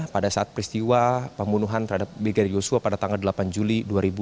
pada saat peristiwa pembunuhan terhadap brigadir yosua pada tanggal delapan juli dua ribu dua puluh